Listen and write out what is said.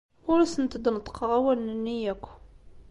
Ur asent-d-neṭṭqeɣ awalen-nni akk.